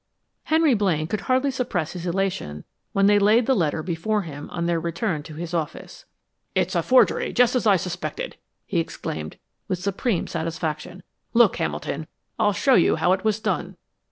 Henry Blaine could hardly suppress his elation when they laid the letter before him on their return to his office. "It's a forgery, just as I suspected," he exclaimed, with supreme satisfaction. "Look, Hamilton; I'll show you how it was done."